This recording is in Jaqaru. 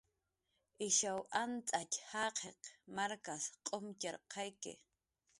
Ishaw antzatx jaqiq markas k'umtxarqayki